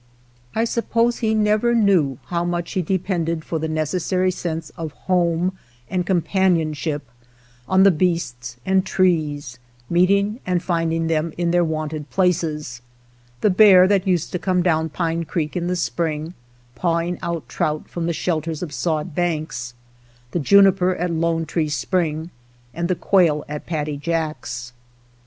I suppose he never knew how much he depended for the necessary sense of home and compan ionship on the beasts and trees, meeting and finding them in their wonted places, — the bear that used to come down Pine Creek in the spring, pawing out trout from the shelters of sod banks, the juniper at Lone Tree Spring, and the quail at Paddy Jack's.